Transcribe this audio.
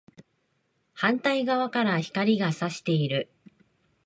反対側から光が射している